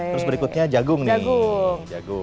terus berikutnya jagung nih